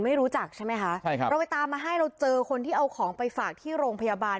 ไม่รู้จักใช่ไหมคะใช่ครับเราไปตามมาให้เราเจอคนที่เอาของไปฝากที่โรงพยาบาล